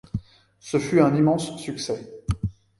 Ce fut un immense succès.